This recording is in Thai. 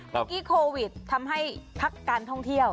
เมื่อกี้โควิดทำให้พักการท่องเที่ยว